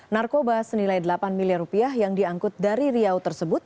narkoba senilai delapan miliar rupiah yang diangkut dari riau tersebut